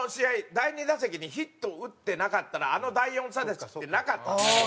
第２打席にヒットを打ってなかったらあの第４打席ってなかったから。